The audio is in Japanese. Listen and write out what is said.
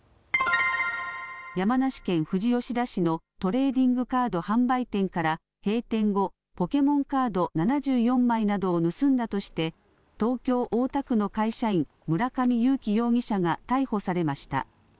山梨県富士吉田市のトレーディングカード販売店から閉店後、ポケモンカード７４枚などを盗んだとして東京大田区の会社員、村上友貴容疑者が逮捕されました。